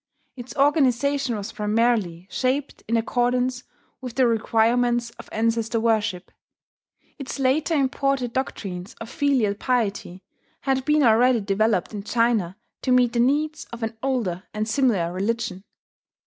Its organization was primarily shaped in accordance with the requirements of ancestor worship; its later imported doctrines of filial piety had been already developed in China to meet the needs of an older and similar religion.